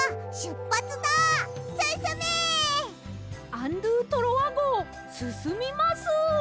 アン・ドゥ・トロワごうすすみます！